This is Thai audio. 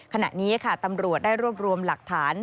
ขณะนี้ค่ะตำรวจได้รวบรวมหลักฐาน